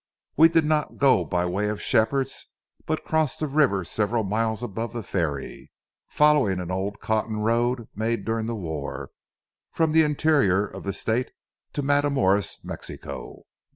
We did not go by way of Shepherd's, but crossed the river several miles above the ferry, following an old cotton road made during the war, from the interior of the state to Matamoras, Mexico.